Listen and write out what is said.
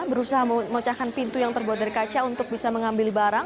berusaha memecahkan pintu yang terbuat dari kaca untuk bisa mengambil barang